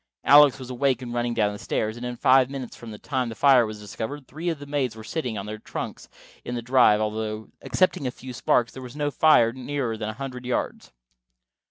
Alex was awake and running down the stairs, and in five minutes from the time the fire was discovered, three of the maids were sitting on their trunks in the drive, although, excepting a few sparks, there was no fire nearer than a hundred yards.